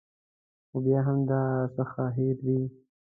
خو بیا هم دا راڅخه هېر دي.